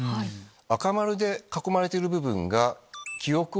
赤丸で囲まれてる部分が。